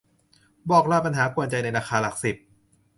บอกลาปัญหาขนกวนใจในราคาหลักสิบ